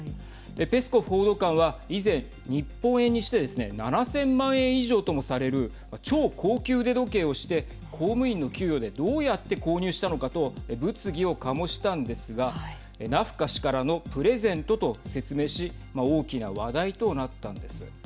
ペスコフ報道官は以前日本円にして７０００万円以上ともされる超高級腕時計をして公務員の給与でどうやって購入したのかと物議を醸したんですがナフカ氏からのプレゼントと説明し大きな話題となったんです。